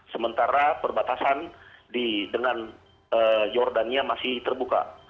sementara perbatasan dengan jordania masih terbuka